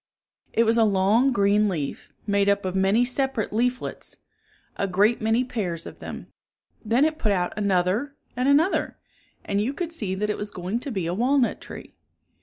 It was a long green leaf, made up of many separate leaflets, a great many pairs of them. Then it put out another and another, and you could see that it was going to be a walnut tree.